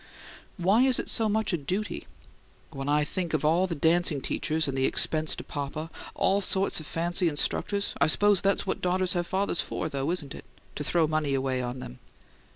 "Why is it so much a duty?" "When I think of the dancing teachers and the expense to papa! All sorts of fancy instructors I suppose that's what daughters have fathers for, though, isn't it? To throw money away on them?"